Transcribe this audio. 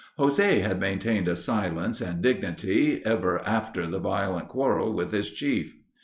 José had maintained a silence and dignity ever after the violent quarrel with his chief.